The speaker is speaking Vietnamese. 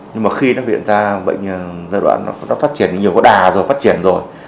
nhưng mà khi nó hiện ra giai đoạn nó phát triển nhiều có đà rồi phát triển rồi